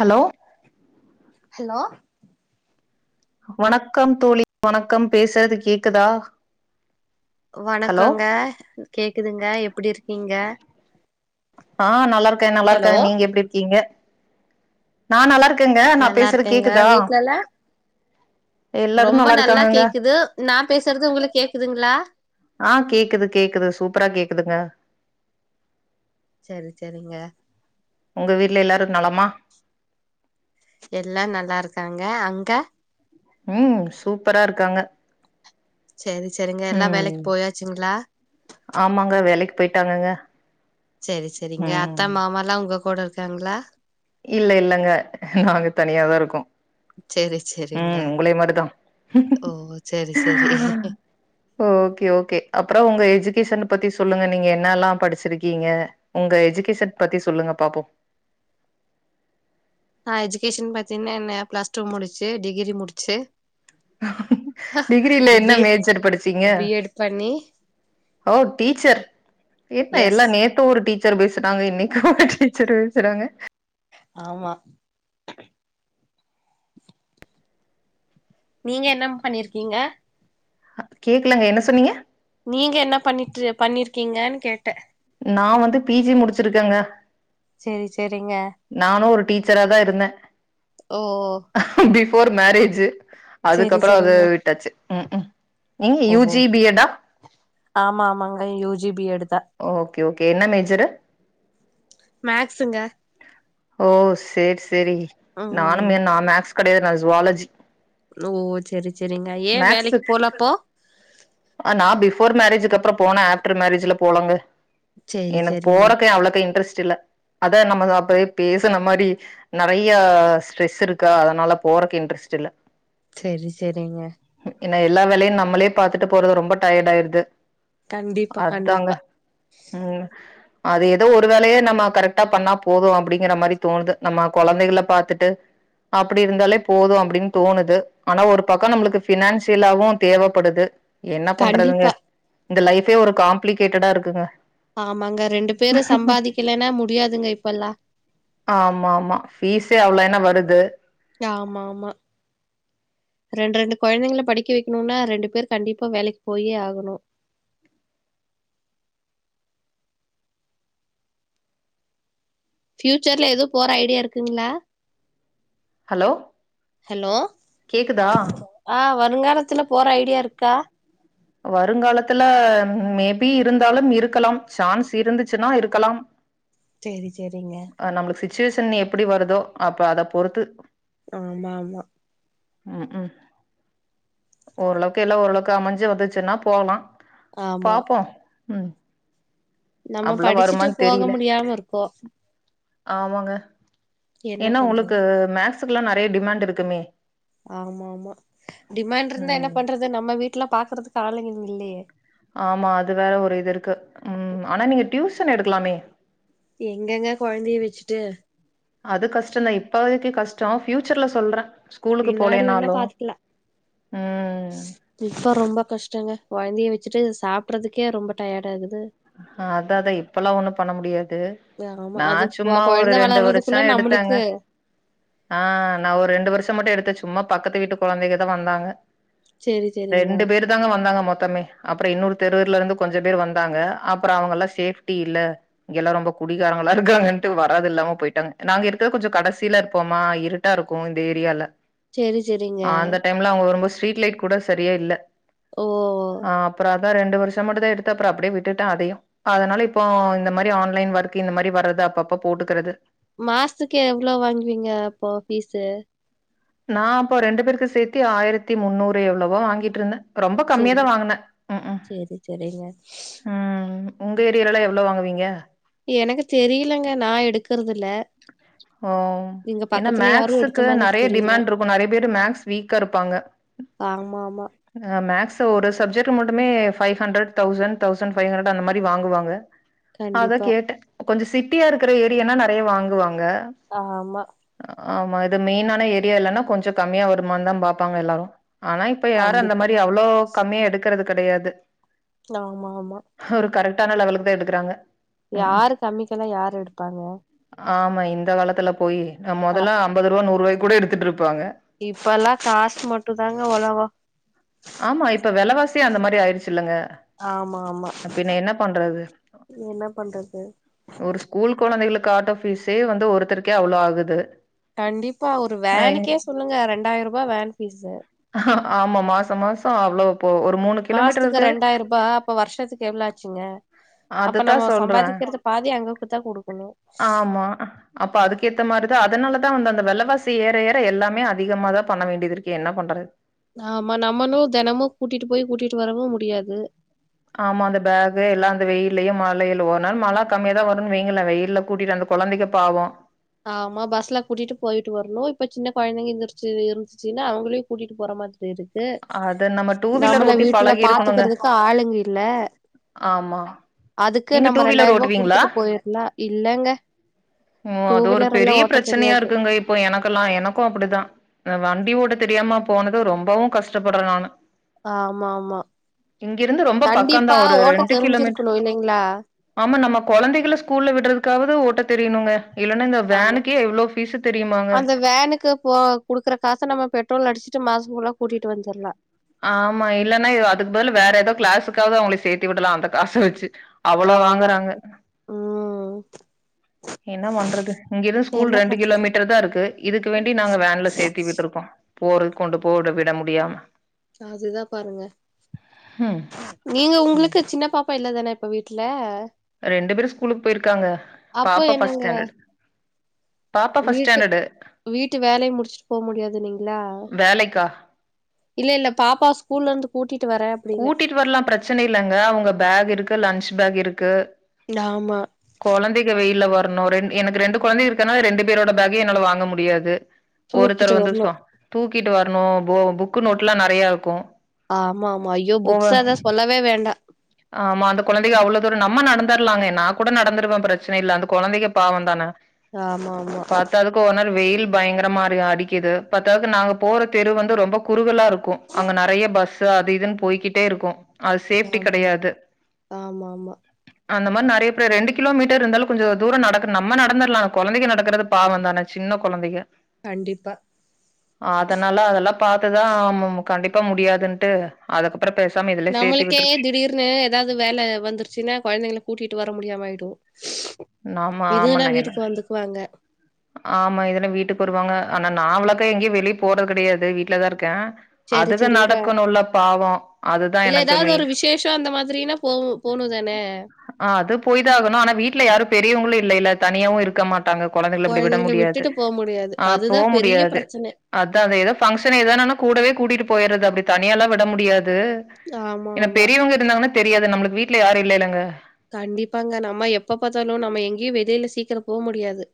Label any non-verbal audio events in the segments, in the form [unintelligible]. Hello hello வணக்கம் தோழி வணக்கம் பேசுறது கேக்குதா ஹலோ வணக்கங்க கேக்குதுங்க எப்படி இருக்கீங்க ஆ நல்லா இருக்க நல்லா ஹலோ இருக்க நீங்க எப்படி இருக்கீங்க நா நல்லா இருக்கேங்க நா நல்லா பேசுற இருக்கேங்க கேக்குதா வீட்லலா எல்லாரு ரொம்ப நல்லா இருக்காங்கங்க கேக்குது நா பேசுறது உங்களுக் கேக்குதுங்ளா ஆ கேக்குது கேக்குது சூப்பரா கேக்குதுங்க சரி சரிங்க உங்க வீட்ல எல்லாரு நலமா எல்லா நல்லாருக்காங்க அங்க ம் சூப்பரா இருக்காங்க சரி சரிங்க எல்லா ம் வேலைக்கு போயாச்சுங்ளா ஆமாங்க வேலைக்கு போயிட்டாங்கங்க சரி சரிங்க அத்த ம் மாமாலா உங்க கூட இருக்காங்ளா இல்ல இல்லங்க நாங்க தனியாதா இருக்கோ செரி செரிங்க ம் உங்களே மாரிதா ஓ செரி செரி ஓகே ஓகே அப்றோ உங்க எஜுகேஷன பத்தி சொல்லுங்க நீங்க என்ன எல்லா படிச்சிருக்கீங்க உங்க எஜுகேஷன் பத்தி சொல்லுங்க பாப்போ நா எஜுகேஷன் பாத்தீனா என்ன பிளஸ் டூ முடிச்சு டிகிரி முடிச்சு டிகிரில என்ன பி மேஜர் படிச்சீங்க பி எட் பண்ணி ஓ டீச்சர் என்ன எஸ் எல்லா நேத் து ஒரு டீச்சர் பேசுனாங்க இன்னைக்கு ஒரு டீச்சர் பேசுறாங்க ஆமா நீங்க என்னம் பண்ணிருக்கீங்க கேக்லங்க என்ன சொன்னீங்க நீங்க என்ன பண்ணிட்டு பண்ணிருக்கீங்கன் கேட்ட நா வந்து பி ஜி முடிச்சிருக்கங்க செரி செரிங்க நானு ஒரு டீச்சரா தா இருந்த ஓ ஓ பிஃபோர் மேரேஜ் சேரி அதுக்கப்புற அத சேரிங்க விட்டாச்சு ம் ம் நீங்க யூ ஓஹோ ஜி பி எடா ஆமா ஆமாங்க யூ ஜி பி எட் தா ஓகே ஓகே என்ன மேஜரு மேக்ஸுங்க ஓ சேரி சேரி ம் நானுமே நா மேக்ஸ் கெடையாது நா ஜுவாலஜி ஓ சேரி சேரிங்க ஏ மேக்ஸு வேலைக்கு போல அப்போ நா பிஃபோர் மேரேஜுக்கு அப்றோ போன ஆஃப்டர் மேரஜ்ல போலங்க சேரி எனக்கு சேரிங்க போறக்கு அவ்ளக்கா இன்ட்ரெஸ்ட் இல்ல அதா நம்ம அப்பதே பேசுன மாரி நெறையா ஸ்ட்ரெஸ் இருக்கா அதனால போறக்கே இன்ட்ரெஸ்ட் இல்ல செரி செரிங்க ஏனா எல்லா வேலையு நம்மளே பாத்துட்டு போறது ரொம்ப டயடு ஆயிருது கண்டிப்பா அதாங்க கண்டிப்பா ம் அது ஏதோ ஒரு வேலையே நம்ம கரெக்டா பண்ணா போது அப்டிங்கிற மாரி தோணுது நம்ம கொழந்தைகள பாத்துட்டு அப்டி இருந்தாலே போது அப்டின் தோணுது ஆனா ஒரு பக்கோ நம்மளுக்கு ஃபினான்சியலாவு தேவப்படுது என்ன பண்றதுங்க கண்டிப்பா இந்த லைஃபே ஒரு காம்ப்ளிகேட்டடா இருக்குங்க ஆமாங்க ரெண்டு பேரு சம்பாதிக்கலன்னா முடியாதுங்க இப்பல்லா ஆமா ஆமா ஃபீஸே அவ்வளோ என்ன வருது ஆமா ஆமா ரெண்டு ரெண்டு கொழந்தைங்கள படிக்க வைக்கணும்னா ரெண்டு பேர் கண்டிப்பா வேலக்கு போயே ஆகணு ஃபியூச்சர்ல எது போற ஐடியா இருக்குங்களா ஹலோ ஹலோ கேக்குதா ஆஹ் வருங்காலத்துல போற ஐடியா இருக்கா வருங்காலத்துல மேபி இருந்தாலும் இருக்கலாம் சான்ஸ் இருந்துச்சுன்னா இருக்கலாம் சேரி சேரிங்க ஆஹ் நம்மளுக்கு சிச்சுவேஷன் எப்டி வருதோ அப்ப அத பொறுத்து ஆமா ஆமா ம் ம் ஓரளவுக்கு எல்லா ஓரளவுக்கு எல்லா அமஞ்சு வந்துச்சுன்னா போலா ஆமா பாப்போ ம் நம்ம அப்டிலா படிச்சுட்டு வருமான்னு போக தெரியல முடியாம இருக்கோ ஆமாங்க என்ன ஏன்னா பண்றது உங்களுக்கு மேக்ஸுக்குல்லா நெறைய டிமாண்ட் இருக்குமே ஆமா ஆமா டிமாண்ட் இருந்தா என்ன ம் பண்றது நம்ம வீட்டு எல்லா பாக்குறதுக்கு ஆலங்க இல்லயே ஆமா அது வேற ஒரு இது இருக்கு ம் ஆனா நீங்க டியூசன் எடுக்கலாமே எங்கங்க குழந்தைய வச்சுட்டு அது கஷ்டதா இப்பதைக்கு கஷ்ட ஃபியூச்சர்ல சொல்ற ஸ்கூலுக்கு பின்னாடி வேணா போலேனாலு பாத்துக்கலா ம் இப்ப ரொம்ப கஷ்டங்க குழந்தைய வச்சுட்டு சாப்படுறதுக்கே ரொம்ப டயர்ட் ஆகுது அ அத அதா இப்பெல்லா ஒண்ணு பண்ண முடியாது ஆமா நா அது கொ சும்மா ஒரு கொழந்த ரெண்டு வருஷ வளர்றதுக்குள்ள எடுத்தாங்க நம்மளுக்கு ஆ நா ஒரு ரெண்டு வருஷ மட்டு எடுத்த சும்மா பக்கத்து வீட்டு குழந்தைக தா வந்தாங்க சேரி சேரிங்க ரெண்டு பேர் தாங்க வந்தாங்க மொத்தமே அப்பற இன்னொரு தெருர்ல இருந்து கொஞ்ச பேர் வந்தாங்க அப்பற அவங்க எல்லா சேஃப்டி இல்ல இங்கெல்லா ரொம்ப குடிகாரங்களா இருக்காங்கட்டு வராது இல்லாம போயிட்டாங்க நாங்க இருக்குறது கொஞ்சோ கடைசில இருப்போமா இரு டா இருக்கும் இந்த ஏரியால சேரி சரிங்க [unintelligible] அவுங்க வரும்போது ஸ்ட்ரீட் லைட் கூட சரியா இல்ல ஓ அ அப்பற அதா ரெண்டு வருஷ மட்டும்தா எடுத்த அப்பற அப்டியே வி விட்டு அதையு அதனால இப்போ இந்த மாதிரி ஆன்லைன் ஒர்க் இந்த மாதிரி வர்றது அப்பப்ப போட்டுக்குறது மாசத்துக்கு எவ்வளோ வாங்குவீங்க அப்போ ஃபிஷ் சு நா அப்போ ரெண்டு பேருக்கு சேர்த்தி ஆயிரத்தி முநன்னூறு எவ்வளோவா வாங்கிட்டு இருந்த சரி சேரி சரிங்க ம் உங்க ஏரியாலல்லா எவ்வளோ வாங்குவீங்க எனக்கு தெரியலங்க நா எடுக்கறதுல ஓ ஏன்னா யாரு எடுத்த மேக்ஸுக்கு மாதிரி நெறைய தெரில டிமாண்ட் இருக்கும் நெறைய பேரு மேக்ஸ் வீக்கா இருப்பாங்க ஆமா ஆமா மேக்ஸ் ஒரு சப்ஜெக்ட் மட்டுமே ஃபைவ்ஹண்ட்ரட் தௌசண்ட் தௌசண்ட் ஃபைவ்ஹ்ரட் அந்த மாதிரி வாங்குவாங்க அதா கண்டிப்பா கேட்ட கொஞ்ச சிட்டியா இருக்கிற ஏரியனா நெறைய வாங்குவாங்க ஆமா ஆமா இது மெயின்ான ஏரியா இல்லன்னா கொஞ்ச கம்மியா வருமா தா பாப்பாங்க எல்லாரு ஆனா இப்ப யாரு அந்த கண்டிப்பா மாதிரி அவ்வளோ கம்மியா எடுக்கறது கிடையாது லாம் ஆமா ஒரு கரெக்டான லெவலுக்குதா எடுக்கிறாங்க யாரு கம்மிக்கெல்லா யாரு எடுப்பாங்க ஆமா இந்த காலத்துல போய் அ மொதலா அம்பது ரூவா நூறுவாய்க் கூட எடுத்துட்ருப்பாங்க இப்பலா காசு மட்டு தாங்க ஒலகோ ஆமா இப்ப வெலவாசியு அந்த மாரி ஆயிருச்சுல்லங்க ஆமா ஆமா என்ன பண்றது ஒரு ஸ்கூல் கொழந்தைகளுக்கு ஆட்டோ ஃபீஸே வந்து ஒருத்தருக்கே அவ்ளோ ஆகுது கண்டிப்பா ஒரு அ வேனுக்கே சொல்லுங்க ரெண்டாயிரூபா வேன் ஃபீஸ் ஆமா மாச மாச அவ்ளோ போ ஒரு மூணு கிலோமீட்டர் மாசத்துக்கு இருக்காது ரெண்டாயிர் ரூபா அப்ப வர்ஷத்துக்கு எவ்ளோ ஆச்சுங்க அப்ப அதுதா நம்ம சொல்றே சம்பாதிக்கிறத பாதி அங்க போய் தா குடுக்கணு ஆமா அப்ப அதுக்கேத்த மாரி தா அதனாலதா வந்து அந்த வெலவாசி ஏற ஏற எல்லாமே அதிகமா தா பண்ண வேண்டியது இருக்கு என்ன பண்றது ஆமா நம்மளு தெனமு கூட்டிட்டு போய் கூட்டிட்டு வரவு முடியாது ஆமா அந்த பேக்கு எல்லா அந்த வெயில்லயு மழையில ஒரு நாள் மழ கம்மியா தா வருதுன்னு வெய்ங்களே வெயில்ல கூட்டிட்டு வந்து கொழந்தைக பாவ ஆமா பஸ்ல கூட்டிட்டு போயிட்டு வர்ணு இப்ப சின்ன கொழந்தைங்க எந்திருச்சு இருந்துச்சுனா அவ்ங்களயு கூட்டிட்டு போற மாதிரி இருக்கு அத நம்ம டூ வீலர் நம்மள ஓட்டி வீட்ல பழகி இருக்கணுங்க பாத்துக்குறதுக்கு ஆளுங்க இல்ல ஆமா அதுக்கு நீங்க நம்ம டூ வீலர் ரெண்டாயிர்ரூவா ஓட்டுவீங்களா குடுத்துட்டு போயிர்லா இல்லங்க ஓ டூ அது ஒரு வீலர் எல்லா பெரிய ஓட்ட பிரச்சனையா தெரியாது இருக்குங்க இப்போ எனக்கெல்லா எனக்கு அப்டிதா அ வண்டி ஓட்ட தெரியாம போனது ரொம்பவு கஷ்டப்பட்றே நானு ஆமாம்மா இங்கிருந்து ரொம்ப பக்கந்தா கண்டிப்பா ஒரு ஓட்ட ரெண்டு கிலோமீட்டர் தெரிஞ்சிருக்கணு இல்லைங்ளா ஆமா நம்ம கொழந்தைகள ஸ்கூல்ல விட்றதுக்காவது ஓட்ட தெரியணுங்க இல்லனா இந்த ஆமா வேனுக்கே எவ்ளோ ஃபீஸு தெரியுமாங்க அந்த வேனுக்கு இப்போ குடுக்குற காச நம்ம பெட்ரோல் அடிச்சுட்டு மாச ஃபுல்லா கூட்டிட்டு வந்துர்லா ஆமா இல்லனா இவ அதுக்கு பதில் வேற எதோ கிளாஸுக்காவ்து அவ்ங்கள சேத்தி விடலா அந்த காச வச்சு அவ்ளோ வாங்குறாங்க ஆமாக்கா ம் என்ன பண்றது இங்கெ இருந்து ஸ்கூல் என்ன ரெண்டு கிலோ பண்றது மீட்டரு தா இருக்கு இதுக்கு வேண்டி நாங்க வேன்ல சேத்தி விட்ருக்கோ போறது கொண்டு போவுட விட முடியாம அதுதா பாருங்க நீங்க ம் உங்களுக்கு சின்ன பாப் பா இல்லாதானே இப்ப வீட்டுல ரெண்டு பேரு ஸ்கூலுக்கு போயிருக்காங்க அப்போ பாப்பா ஃபஸ்ட் என்னங்க ஸ்டாண்டர்டு பாப்பா ஃபஸ்ட் வீட் ஸ்டாண்டர்டு வீட்டு வேலய முடிச்ட்டு போ முடியாது இல்லைங்ளா வேலைக்கா இல்ல இல்ல பாப்பாவ ஸ்கூல்லருந்து கூட்டிட்டு வர கூட்டிட்டு வர்லா பிரச்சன இல்லங்க அவ்ங்க பேக் இருக்கு லஞ்ச் பேக் இருக்கு நாமா கொழந்தைக வெயில்ல வர்ணு ரெண் எனக்கு ரெண்டு கொழந்தைங்க இருக்கனால ரெண்டு பேரோட பேக்கயு என்னால வாங்க முடியாது தூக்கிட்டு ஒருத்தர் வந்து வரணு சோ தூக்கிட்டு வர்ணு போ புக்கு நோட்லா நெறையா இருக்கு ஆமாம்மா ஐயோ ஓவ புக்ஸ் அத சொல்லவே வேண்டா ஆமா அந்த கொழந்தைக அவ்ளோ தூர நம்ம நடந்துர்லாங்க நா கூட நடந்துருவே பிரச்சன இல்ல அந்த குழந்தைக பாவந்தான ஆமா ஆமா இப்பவானாலு ‌வெயில் பயங்கர மாரி அடிக்குது பத்தாதுக்கு நாங்க போற தெரு வந்து ரொம்ப குறுகலாருக்கு அங்க நெறைய பஸ்ஸு அது இதுன்னு போய்கிட்டேருக்கு அது சேஃப்டி ஆமா கெடயாது ஆமா ஆமா அந்த மாரி நெறைய பேரு ரெண்டு கிலோமீட்டருந்தாலு கொஞ்ச தூரோ நடக்கலா நம்ம நடந்துடலா கொழந்தைங்க நடக்குறது பாவந் தானே சின்ன கொழந்தைக கண்டிப்பா அதனால அதெல்லா பாத்துதா அம்மம்மா கண்டிப்பா முடியாதுன்னுட்டு அத அப்பற பேசாம இது நம்மளுக்கே திடீர் ன்னு ஏதாவது வேல வந்துருச்சுன்னா கொழந்தைகள கூட்டிட்டு வர முடியாம ஆயிடு ஆமா இதுன்னா ஆமாண்ணா என்ன வீட்டுக்கு வந்துக்குவாங்க ஆமா இதன்ன வீட்டுக்கு வருவாங்க ஆனா நாங்கலாக்கா எங்கேயு வெளியே போறது கெடையாது வீட்டுலதாருக்கே செரி அதுக செரிங்க நடக்கணுல பாவோ அதுதா இல்ல எனக்கு மெயின் போணும் தானே ஆ அது போய்தான் ஆகணு ஆனா வீட்டுல யாரு பெரியவங்களும் இல்லைல தனியாவும் இருக்க மாட்டாங்க கொழந்தைங் விட கொழந்தைங்கள முடியாது விட்டுட்டு போ முடியாது ஆ போ அதுதா பெரிய முடியாது பிரச்சன அதான் அந்த ஏதோ ஃபங்க்ஷன் ஏதான்னானா கூடவே கூட்டிட்டு போய்டுறது அப்டி தனியால்லா விட முடியாது ஆமா ஏன்னா ஆமா பெரியவங்க இருந்தாங்கன்னா தெரியாது நம்மளுக்கு வீட்டுல யாரு இல்லைலங்க கண்டிப்பாங்க நம்ம எப்ப பாத்தாலு நம்ம எங்கேயு வெளில சீக்கிரமா போ முடியாது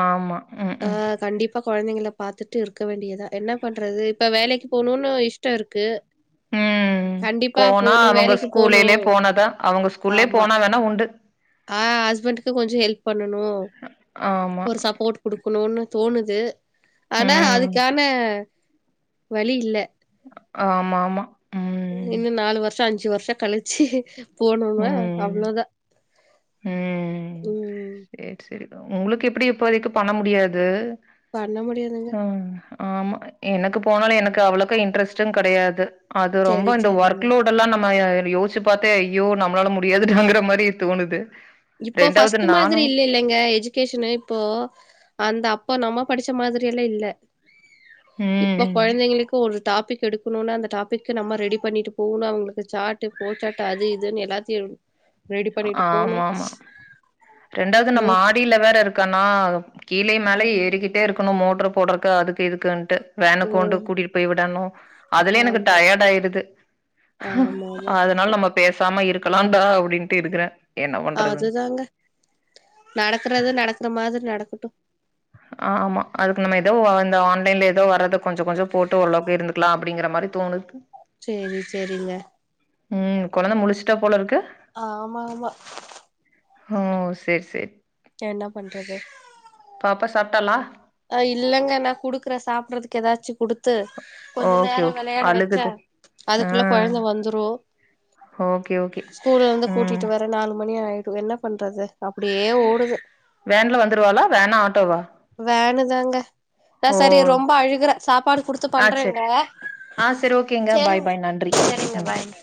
ஆமா ம் ம் அப்ப கொழந்தைங்கள பாத்துட்டு இருக்க வேண்டியதா என்ன பண்றது இப்ப வேலக்கி போகணும்ன்னு இஷ்டோருக்கு ம் போனா அவ்ங்க வேலைக்கு ஸ்கூல்லிலே போணும். போன தா அவ்ங்க ஸ்கூலேயே ஆமா. போனா தான உண்டு ஆ ஹஸ்பண்டுக்கு கொஞ்சோ ஹெல்ப் பண்ணணு ஆமா. ஒரு சப்போர்ட் குடுக்குணும்னு தோணுது ஆனா ம். அதுக்கான வழி இல்ல ஆமா ஆமா உம் இன்னு நாலு வர்ஷோ அஞ்சு வர்ஷோ கழிச்சி போணுமா ம். அவ்ளோதா ம் செரி உங்களுக்கு எப்டி இப்போதைக்கு பண்ண முடியாது பண்ண முடியாதுங்க ம் ஆமா எனக்கு போனாலும் எனக்கு அவ்ளோக்கு இன்ட்ரஸ்ட்டும் கெடயாது அது ரொம்ப சரி, இந்த சரிங்க. ஒர்க் லோடு எல்லா நம்ம யோசிச்சு பாத்தே யோ நம்மளால முடியாதுடாங்குற மாதிரி தோணுது இப்போ ஃபஸ்ட்டு நானு மாதிரி இல்லைலங்க எஜுகேஷனு இப்போ அந்த அப்போ நம்ம படிச்ச மாதிரியெல்லா இல்ல இப்ப ம் கொழந்தைங்களுக்கு ஒரு டாபிக் எடுக்கணுனா அந்த டாபிக்கு நம்ம ரெடி பண்ணிட்டு போவணு அவ்ங்களுக்கு சாட்டு கோ சாட்டு அது இதுன்னு எல்லாத்தையு ரெடி பண்ணிட்டு போணும் ஆமா ரெண்டாவது நா மாடில வேற இருக்கனா கீழயு மேலயு ஏறிகிட்டே இருக் கணும் மோட்டர் போடுறாக்கு அதுக்கு இதுக்குன்ட்டு ஓ வேனுக்கு கொண்டு கூட்டிட்டு போய் விடணும் அதுலே எனக்கு ஆமா டயர்ட் ஆயிருது ஆமா ஆமா அதனால நம்ம பேசாம இருக்கலாம்டா அப்டின்ட்டு இருக்றே அதுதாங்க நடக்கறது நடக்கற மாதிரி நடக்கட்டும் ஆ ஆமா அதுக்கு நம்ம ஏதோ அ இந்த ஆன்லைன்ல ஏதோ வர்றத கொஞ்சோ கொஞ்சோ போட்டு ஓரளவுக்கு இருந்துக்கலாம் அப்டிங்குற மாதிரி தோணுது சேரி சேரிங்க ம் கொழந்த முழிஸ்ட்டா போல இருக்கு ஆமா ஆமா ஒ செர் சேர் என்ன பண்றது பாப்பா சாப்ட்டாலா அ இல்லங்க நா குடுக்குற சாப்டுறதுக்கு எதாச்சு குடு த்து கொஞ்ச ஓகே நேரோ ஓகே விளையாட வச்சா அழுகுது ஆ அதுக்குள்ள கொழந்த வந்துரு ஓகே ஓகே ஸ்கூல்ல இருந்து ம் கூட்டிட்டு வர நாலு மணி ஆய்ரு என்ன பண்றது அப்டியே ஓடுது வேன்ல வந்துருவாளா வேனா ஆட்டோவா வேணுதாங்க நா ஓ சரி ரொம்பா அழுகுரா சாப்பாடு குடுத்து ஆ பண்றேங்க சேரி ஆ சேரி ஓகேங்க பாய் செரிங்க பாய் நன்றி சேரிங்க ம் பாய்ங்க